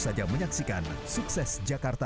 bagi penduduk jakarta